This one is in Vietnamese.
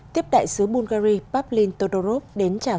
tiếp đại sứ bulgari pavlin todorov đến chào